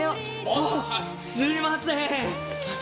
あっすいません。